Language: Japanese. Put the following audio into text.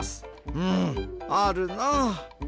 うんあるな。